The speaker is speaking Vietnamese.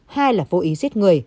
hai là vô ý giết người